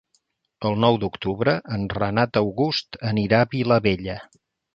El nou d'octubre en Renat August anirà a Vilabella.